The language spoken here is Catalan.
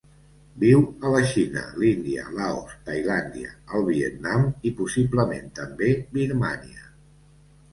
Viu a la Xina, l'Índia, Laos, Tailàndia, el Vietnam i, possiblement també, Birmània.